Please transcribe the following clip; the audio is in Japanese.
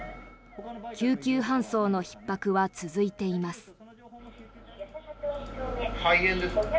救急搬送のひっ迫は続いています。